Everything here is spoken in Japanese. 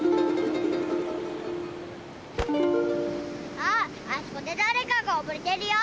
あっあそこで誰かがおぼれてるよ。